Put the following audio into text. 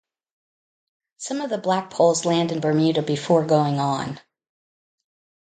Some of the blackpolls land in Bermuda before going on.